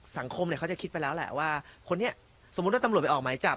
สังคมเนี่ยเขาจะคิดไปแล้วแหละว่าคนนี้สมมุติว่าตำรวจไปออกหมายจับ